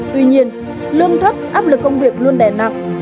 tuy nhiên lương thấp áp lực công việc luôn đè nặng